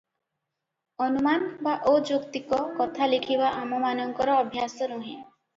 ଅନୁମାନ ବା ଅଯୌକ୍ତିକ କଥା ଲେଖିବା ଆମମାନଙ୍କର ଅଭ୍ୟାସ ନୁହେଁ ।